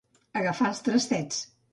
Agafar els trastets.